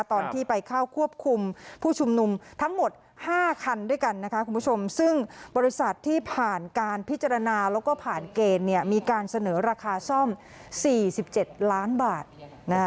ตอนที่ไปเข้าควบคุมผู้ชุมนุมทั้งหมดห้าคันด้วยกันนะคะคุณผู้ชมซึ่งบริษัทที่ผ่านการพิจารณาแล้วก็ผ่านเกณฑ์เนี่ยมีการเสนอราคาซ่อม๔๗ล้านบาทนะคะ